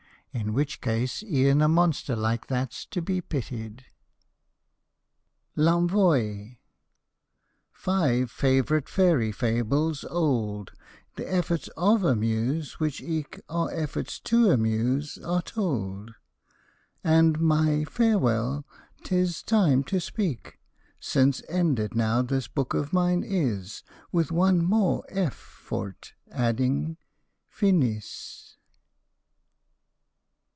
In which case e'en a monster like that 's to be pitied. L ENVOI. Five Favourite Fairy Fables old, The efforts of a muse, which eke Are efforts to amuse, are told, And my farewell 't is time to speak, Since ended now this book of mine is, With one more "f" for 't adding FINIS.